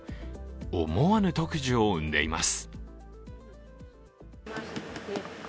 思わぬ特需を生んでいます。